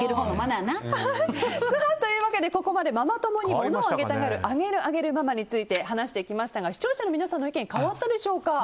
ここまで、ママ友に物をあげたがるあげるあげるママについて話してきましたが視聴者の皆さんの意見変わったでしょうか？